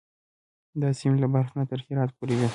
دا سیمې له بلخ نه تر هرات پورې وې.